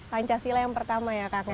pancasila yang pertama ya kang